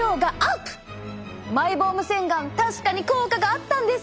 マイボーム洗顔確かに効果があったんです！